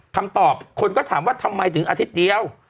คำตอบคนก็ถามว่าทำไมถึงอาทิตย์เดียว